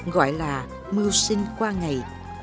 gọi là mưu sinh qua ngày